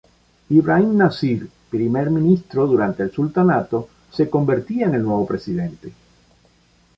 Ibrahim Nasir, primer ministro durante el sultanato, se convertía en el nuevo presidente.